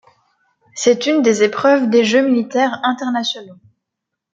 C'est une des épreuves des Jeux militaires internationaux.